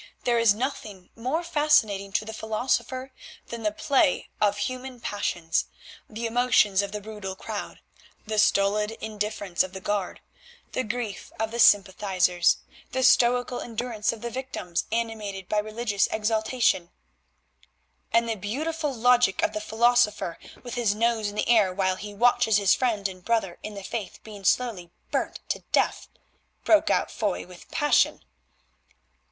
There is nothing more fascinating to the philosopher than the play of human passions. The emotions of the brutal crowd, the stolid indifference of the guard, the grief of the sympathisers, the stoical endurance of the victims animated by religious exaltation——" "And the beautiful logic of the philosopher, with his nose in the air, while he watches his friend and brother in the Faith being slowly burnt to death," broke out Foy with passion.